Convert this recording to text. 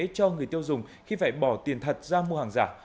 cho người tiêu dùng khi phải bỏ tiền thật ra mua hàng giả